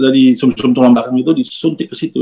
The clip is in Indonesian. dari suntulan bahang itu disuntik ke situ